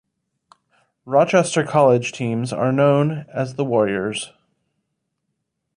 Rochester College teams are known as the Warriors.